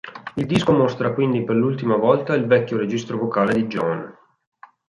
Il disco mostra quindi per l'ultima volta il vecchio registro vocale di John.